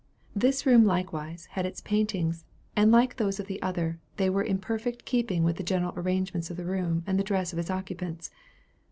This room likewise, had its paintings, and like those of the other, they were in perfect keeping with the general arrangements of the room and the dress of its occupants.